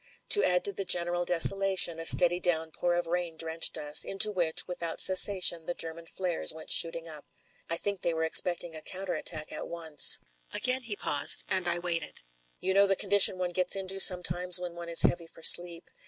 To add to the general desolation a steady downpour of rain drenched us, into which, without cessation the German flares went shooting up. I think they were expecting a counter attack at once. ..." Again he paused, and I waited. You know the condition one gets into sometimes when one is heavy for sleep.